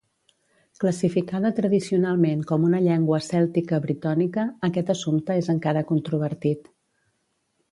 Classificada tradicionalment com una llengua cèltica britònica, aquest assumpte és encara controvertit.